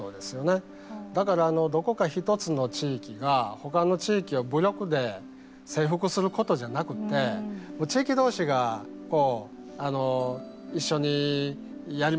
だからどこか一つの地域が他の地域を武力で征服することじゃなくて地域同士が一緒にやりましょうというようなことでね